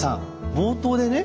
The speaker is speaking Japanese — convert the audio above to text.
冒頭でね